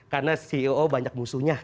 karena ceo banyak musuhnya